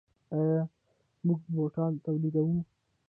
آیا موږ بوټان تولیدوو؟